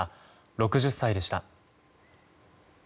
６０歳でした。